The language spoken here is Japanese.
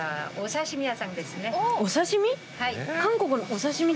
お刺身？